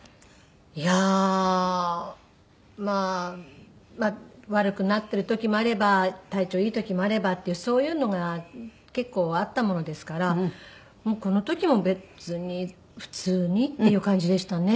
いやーまあ悪くなっている時もあれば体調いい時もあればっていうそういうのが結構あったものですからこの時も別に普通にっていう感じでしたね。